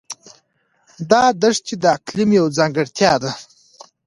دا دښتې د اقلیم یوه ځانګړتیا ده.